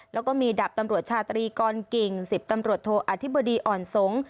แล้วก็มีดับตำรวจชาตรีกรกิ่ง๑๐ตำรวจโทอธิบดีอ่อนสงฆ